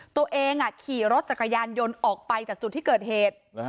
ตัวเองขี่รถจักรยานยนต์ออกไปจากจุดที่เกิดเหตุ